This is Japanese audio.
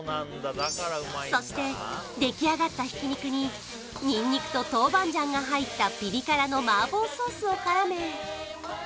そして出来上がった挽き肉にニンニクと豆板醤が入ったピリ辛の麻婆ソースを絡め